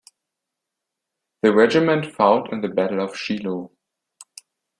The regiment fought in the Battle of Shiloh.